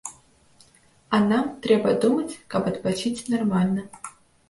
А нам трэба думаць, каб адпачыць нармальна.